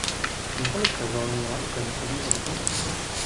Několik sezón měla i tenisový oddíl.